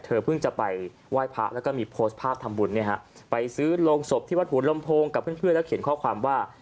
เพิ่งจะไปไหว้พระแล้วก็มีโพสต์ภาพทำบุญเนี่ยฮะไปซื้อโรงศพที่วัดหัวลำโพงกับเพื่อนแล้วเขียนข้อความว่า